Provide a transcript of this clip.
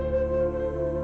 aku terlalu berharga